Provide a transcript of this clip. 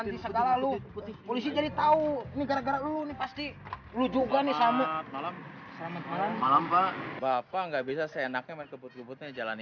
nih sama malam malam malam pak bapak nggak bisa seenaknya main kebut kebutnya jalanin